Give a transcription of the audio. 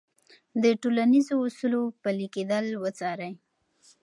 د ټولنیزو اصولو پلي کېدل وڅارئ.